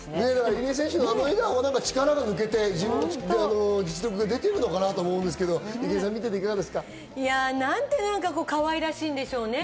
入江選手のあの笑顔、力が抜けて、実力が出てるかなと思うんですが。なんて可愛らしいんでしょうね。